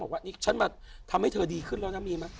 บอกว่านี่ฉันมาทำให้เธอดีขึ้นแล้วนะมีไหม